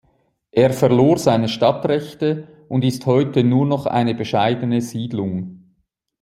Er verlor seine Stadtrechte und ist heute nur noch eine bescheidene Siedlung.